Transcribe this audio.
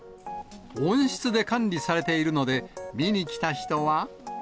温室で管理されているので、見に来た人は。